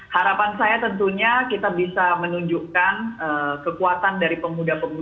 harapan saya tentunya kita bisa menunjukkan kekuatan dari pemuda pemudi g dua puluh